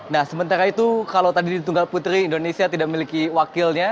nah sementara itu kalau tadi di tunggal putri indonesia tidak memiliki wakilnya